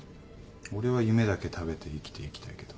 俺は夢だけ食べて生きていきたいけど。